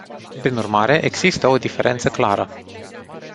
Prin urmare, există o diferență clară.